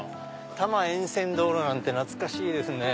多摩沿線道路なんて懐かしいですね。